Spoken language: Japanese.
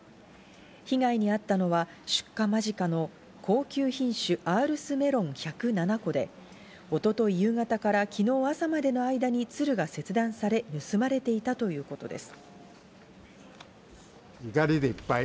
被害にあったのは出荷間近の高級品種アールスメロン１０７個で一昨日夕方から昨日朝までの間につるが切断され、盗まれていたということです。